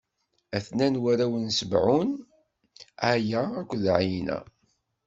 A-ten-an warraw n Ṣibɛun: Aya akked Ɛana.